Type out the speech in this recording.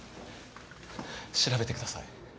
調べてください